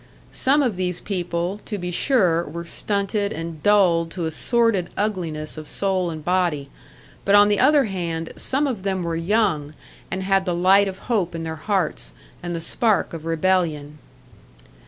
Some of these people, to be sure, were stunted and dulled to a sordid ugliness of soul and body but on the other hand, some of them were young, and had the light of hope in their hearts, and the spark of rebellion.